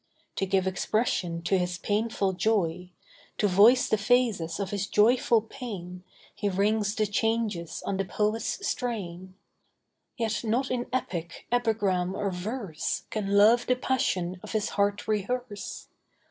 To give expression to his painful joy, To voice the phases of his joyful pain, He rings the changes on the poet's strain. Yet not in epic, epigram or verse Can Love the passion of his heart rehearse.